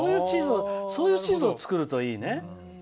そういう地図を作るといいね。